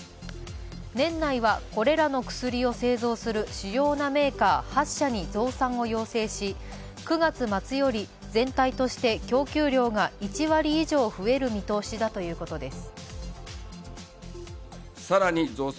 年内はこれらの薬を製造する主要なメーカー８社に増産を要請し、９月末より全体として供給量が１割以上増える見通しだということです。